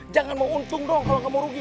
jangan mau untung dong kalau gak mau rugi